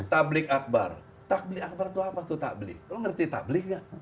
takbik akbar itu apa tuh takbik